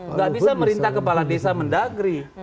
nggak bisa merintah kepala desa mendagri